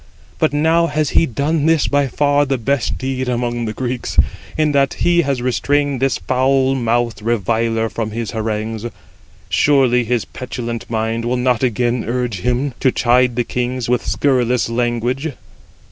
But now has he done this by far the best deed amongst the Greeks, in that he has restrained this foul mouthed reviler from his harangues. Surely his petulant mind will not again urge him to chide the kings with scurrilous language."